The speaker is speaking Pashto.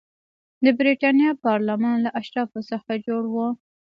د برېټانیا پارلمان له اشرافو څخه جوړ و.